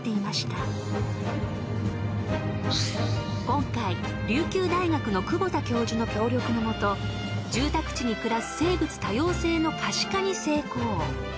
［今回琉球大学の久保田教授の協力の下住宅地に暮らす生物多様性の可視化に成功］